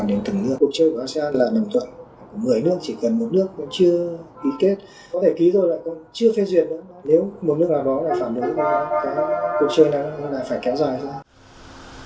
nếu một nước nào đó lại phản đối với cái cuộc chơi này nó lại phải kéo dài ra